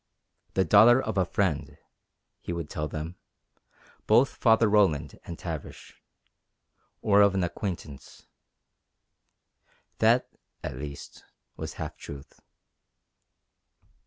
The daughter of a friend, he would tell them both Father Roland and Tavish. Or of an acquaintance. That, at least, was half truth.